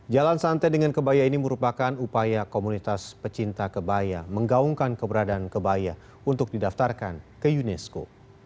jalan santai dengan kebaya ini merupakan upaya komunitas pecinta kebaya menggaungkan keberadaan kebaya untuk didaftarkan ke unesco